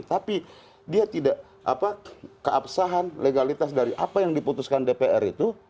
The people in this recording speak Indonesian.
tapi keabsahan legalitas dari apa yang diputuskan dpr itu